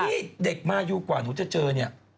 ที่เด็กมายูกว่าหนูจะเจอเนี่ย